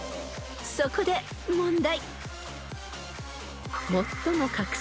［そこで問題］